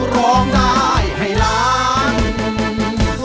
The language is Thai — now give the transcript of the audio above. ร้องได้ให้ล้าน